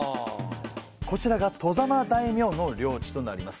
こちらが外様大名の領地となります。